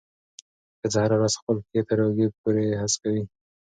ښځه هره ورځ خپل پښې تر اوږو پورې هسکوي.